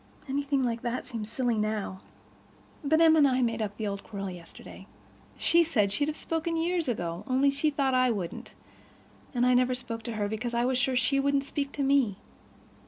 Anything like that seems silly now. But Em and I made up the old quarrel yesterday. She said she'd have spoken years ago, only she thought I wouldn't. And I never spoke to her because I was sure she wouldn't speak to me.